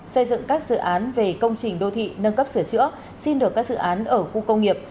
xây dựng các dự án về công trình đô thị nâng cấp sửa chữa xin được các dự án ở khu công nghiệp